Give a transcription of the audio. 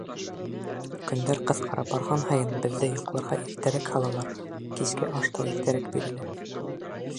Көндәр ҡыҫҡара барған һайын беҙҙе йоҡларға иртәрәк һалалар, киске аш та иртәрәк бирелә.